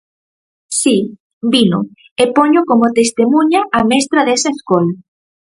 Si, vino, e poño como testemuña a mestra desa escola.